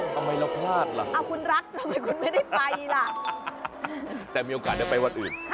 ทำไมเราพลาดล่ะแต่มีโอกาสได้ไปวัดอื่น